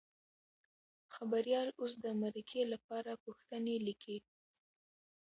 خبریال اوس د مرکې لپاره پوښتنې لیکي.